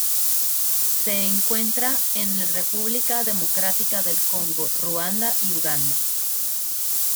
Se encuentra en República Democrática del Congo, Ruanda, y Uganda.